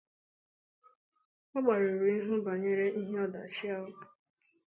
Ọ gbarụrụ ihu bànyere ihe ọdachi ahụ